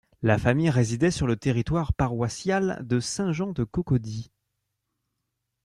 La famille résidait sur le territoire paroissial de Saint Jean de Cocody.